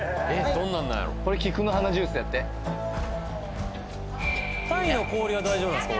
どんなんなんやろこれ菊の花ジュースやってタイの氷は大丈夫なんですか？